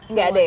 nggak ada ya